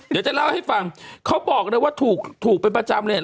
เดี๋ยวจะเล่าให้ฟังเขาบอกเลยว่าถูกเป็นประจำเลย